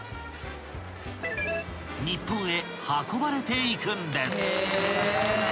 ［日本へ運ばれていくんです］